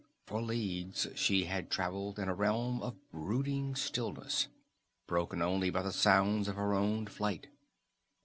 For leagues she had traveled in a realm of brooding stillness, broken only by the sounds of her own flight.